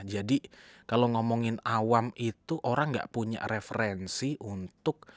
jadi kalo ngomongin awam itu orang gak punya referensi untuk